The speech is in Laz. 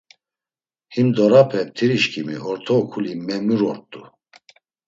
Himdorape mtirişǩimi orta okuli memur’ort̆u.